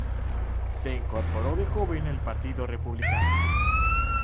Se incorporó de joven al Partido Republicano.